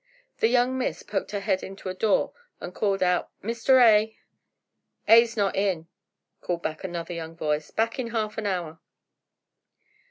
The young miss poked her head into a door and called out: "Mr. A." "A's not in," called back another young voice. "Back in half an hour."